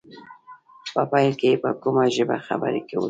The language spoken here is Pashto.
په پيل کې يې په کومه ژبه خبرې کولې.